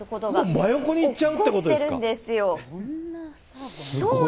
真横に行っちゃうってことですか？